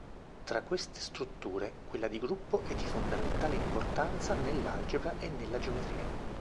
Fra queste strutture, quella di gruppo è di fondamentale importanza nell'algebra e nella geometria.